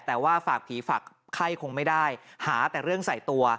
แต่ว่าฝากผีฝากไข้คงไม่ได้หาแต่เรื่องใส่ตัว